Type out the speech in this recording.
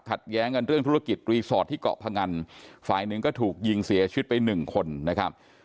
แย้งกันเรื่องธุรกิจรีสอร์ทที่เกาะพงันฝ่ายหนึ่งก็ถูกยิงเสียชีวิตไปหนึ่งคนนะครับ